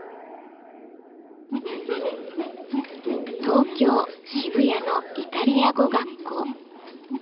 東京・渋谷のイタリア語学校。